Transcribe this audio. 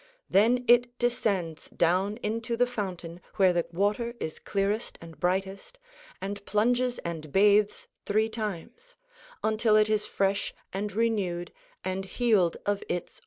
Then it descends down into the fountain where the water is clearest and brightest, and plunges and bathes three times, until it is fresh and renewed and healed of its old age.